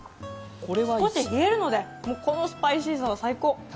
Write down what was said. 外、冷えるのでこのスパイシーさ、最高。